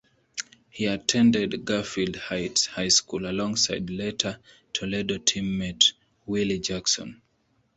He attended Garfield Heights High School alongside later Toledo teammate Willie Jackson.